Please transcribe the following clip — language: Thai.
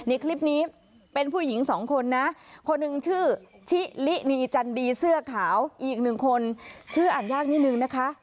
อีกหนึ่งคนชื่ออัดยากนิดนึงนะคะ